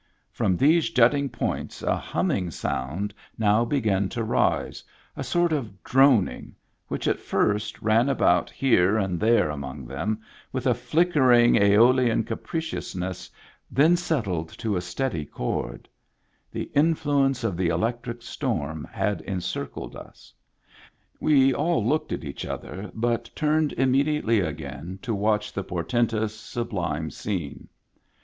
From these jutting points a humming sound now began to rise, a sort of droning, which at first ran about here and there among them, with a flickering, aeo lian capriciousness, then settled to a steady chord : the influence of the electric storm had encircled us. We all looked at each other, but turned im mediately again to watch the portentous, sublime scene.